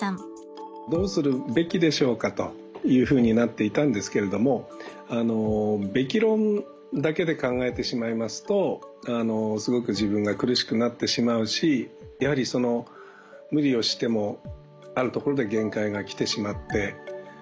どうするべきでしょうか？というふうになっていたんですけれども「べき」論だけで考えてしまいますとすごく自分が苦しくなってしまうしやはり無理をしてもあるところで限界が来てしまって。